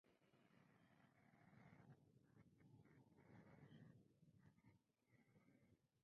Marquette nació en Dallas, Texas, de ascendencia mexicana por parte de su padre.